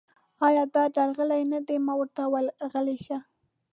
ایا دا درغلي نه ده؟ ما ورته وویل: غلي شئ.